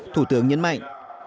thủ tướng nhấn mạnh